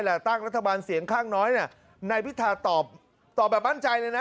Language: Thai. และตั้งรัฐบาลเสียงข้างน้อยน่ะในวิทยาตอบตอบแบบมั่นใจเลยนะ